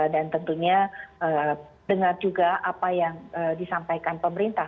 dan tentunya dengar juga apa yang disampaikan pemerintah